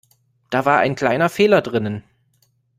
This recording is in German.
Da war ein kleiner Fehler drinnen.